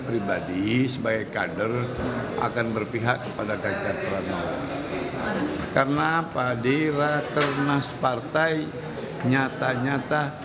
pribadi sebagai kader akan berpihak kepada ganjar pranowo karena padirah ternas partai nyata nyata